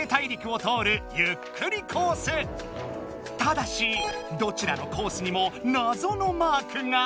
ただしどちらのコースにもなぞのマークが。